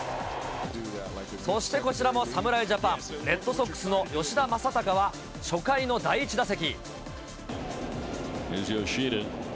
そして、こちらも侍ジャパン、レッドソックスの吉田正尚は、初回の第１打席。